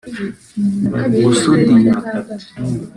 gusudira